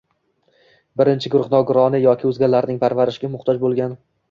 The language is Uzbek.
Birinchi guruh nogironini yoki o‘zgalarning parvarishiga muhtoj bo‘lgan